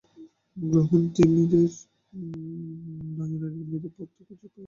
গহন তিমিরে নয়নের নীরে পথ খুঁজে নাহি পাই হে।